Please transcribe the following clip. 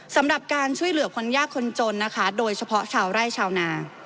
สำหรับการช่วยเหลือคนยากคนจนนะคะโดยเฉพาะชาวไร่ชาวนา